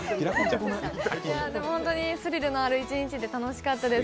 ホントにスリルのある一日で楽しかったです。